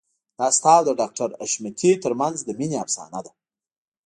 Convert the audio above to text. دا ستا او د ډاکټر حشمتي ترمنځ د مينې افسانه ده